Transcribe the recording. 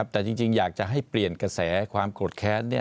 แต่จริงอยากจะให้เปลี่ยนกระแสความโกรธแค้น